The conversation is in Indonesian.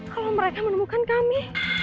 kalo mereka menemukan kami